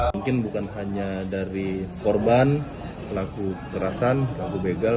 mungkin bukan hanya dari korban pelaku kerasan pelaku begal